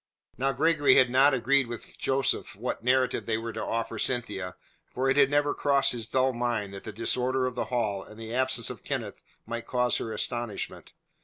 Now Gregory had not agreed with Joseph what narrative they were to offer Cynthia, for it had never crossed his dull mind that the disorder of the hall and the absence of Kenneth might cause her astonishment.